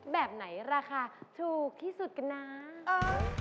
แบบไหนราคาถูกที่สุดกันนะ